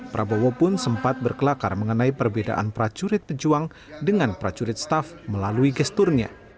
prabowo pun sempat berkelakar mengenai perbedaan pracurit pejuang dengan prajurit staff melalui gesturnya